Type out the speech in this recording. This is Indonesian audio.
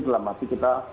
dalam maksud kita